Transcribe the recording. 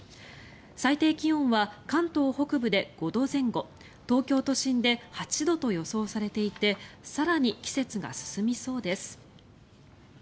最低気温は関東北部で５度前後東京都心で８度と予想されていて更に季節が進みそうです。